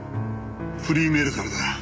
フリーメールからだ。